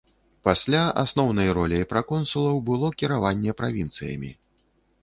Пасля асноўнай роляй праконсулаў было кіраванне правінцыямі.